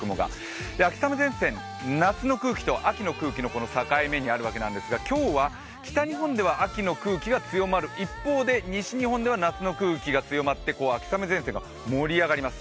秋雨前線、夏の空気と秋の空気の境目にあるんですが今日は北日本では秋の空気が強まる一方で西日本では夏の空気が強まって秋雨前線が盛り上がります。